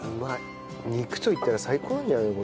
肉といったら最高なんじゃないの？